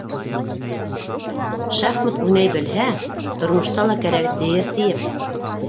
Шахмат уйнай белһә, тормошта ла кәрәге тейер тием.